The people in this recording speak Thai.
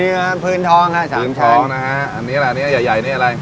เนื้อพื้นท้องครับ๓ชั้นเนื้อพื้นท้องนะฮะเนื้อใหญ่นี่อะไร